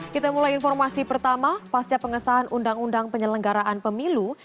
kita mulai informasi pertama pasca pengesahan undang undang penyelenggaraan pemilu